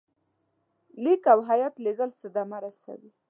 لیک او هیات لېږل صدمه رسوي.